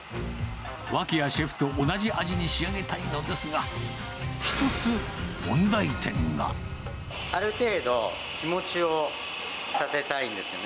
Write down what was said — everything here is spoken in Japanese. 脇屋シェフと同じ味に仕上げたいのですが、ある程度、日もちをさせたいんですよね。